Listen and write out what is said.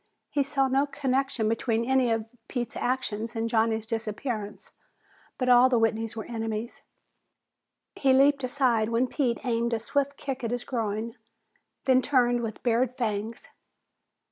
He saw no connection between any of Pete's actions and Johnny's disappearance, but all the Whitneys were enemies. He leaped aside when Pete aimed a swift kick at his groin, then turned with bared fangs.